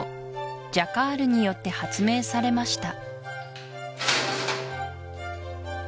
ジャカールによって発明されました